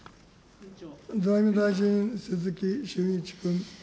財務大臣、鈴木俊一君。